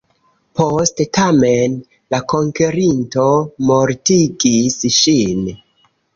Poste tamen, la konkerinto mortigis ŝin.